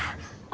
saya sudah pisah